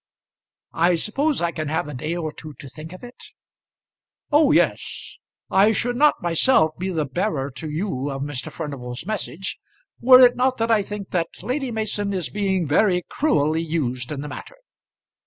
"I suppose I can have a day or two to think of it?" "Oh yes. I should not myself be the bearer to you of Mr. Furnival's message, were it not that I think that Lady Mason is being very cruelly used in the matter.